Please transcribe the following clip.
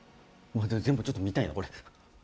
全部ちょっと見たいなこれ。